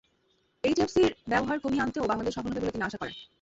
এইচএফসির ব্যবহার কমিয়ে আনতেও বাংলাদেশ সফল হবে বলে তিনি আশা করেন।